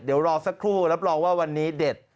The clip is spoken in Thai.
เดี๋ยวรอสักครู่รับรองว่าวันนี้เด็ด